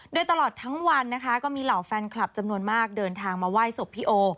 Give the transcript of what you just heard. โดยตลอดทั้งวันนะคะก็มีเหล่าแฟนคลับจำนวนมากเดินทางมาไหว้ศพพี่โอ